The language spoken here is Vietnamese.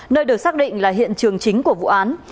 nơi được xác định là hiện trường chính của vụ án